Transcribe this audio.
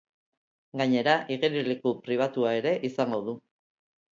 Gainera, igerileku pribatua ere izango du.